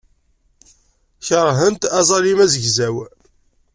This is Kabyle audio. Keṛhent aẓalim azegzaw.